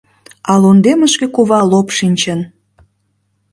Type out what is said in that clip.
А лондемышке кува лоп шинчын